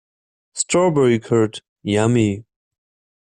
Strawberry curd, yummy!